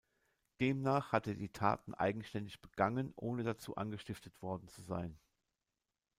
Demnach hat er die Taten eigenständig begangen ohne dazu angestiftet worden zu sein.